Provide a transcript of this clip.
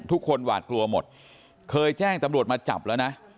หวาดกลัวหมดเคยแจ้งตำรวจมาจับแล้วนะ